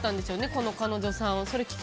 この彼女さん。